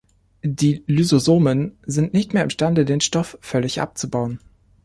Die Lysosomen sind nicht mehr imstande, den Stoff völlig abzubauen.